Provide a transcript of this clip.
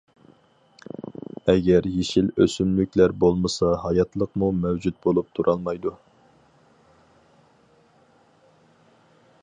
ئەگەر يېشىل ئۆسۈملۈكلەر بولمىسا ھاياتلىقمۇ مەۋجۇت بولۇپ تۇرالمايدۇ.